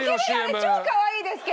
あれ超かわいいですけど。